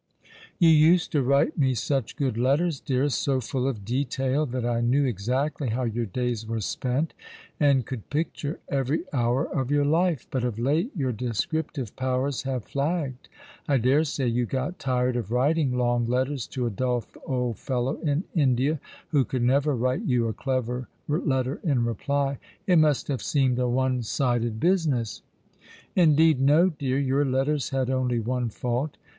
" You used to write me such good letters, dearest, so full of detail, that I knew exactly how your days were spent, and could picture every hour of your life : but of late your descriptive powers have flagged. I dare say you got tired of writing long letters to a dull old fellow in India, who could never write you a clever letter in reply. It must have seemed a one sided business ?"" Indeed, no, dear. Your letters had only one fault.